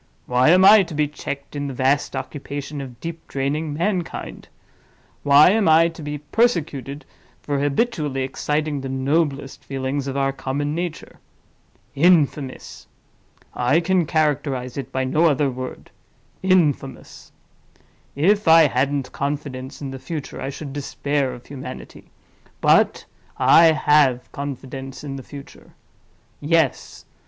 Why am I to be checked in the vast occupation of deep draining mankind? Why am I to be persecuted for habitually exciting the noblest feelings of our common nature? Infamous!—I can characterize it by no other word—infamous! If I hadn't confidence in the future, I should despair of humanity—but I have confidence in the future. Yes!